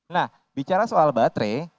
nah bicara soal baterai